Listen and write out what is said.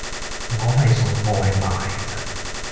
我係送外賣㗎咋